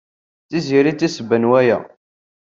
D Tiziri ay d tasebba n waya.